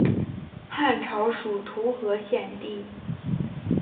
汉朝属徒河县地。